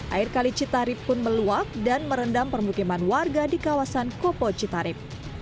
air kali citarip pun meluap dan merendam permukiman warga di kawasan kopo citarip